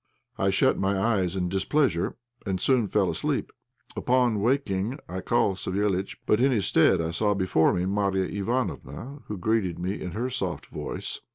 I shut my eyes in displeasure, and soon fell asleep. Upon waking I called Savéliitch, but in his stead I saw before me Marya Ivánofna, who greeted me in her soft voice.